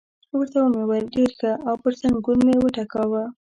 ورته مې وویل: ډېر ښه، او پر زنګون مې وټکاوه.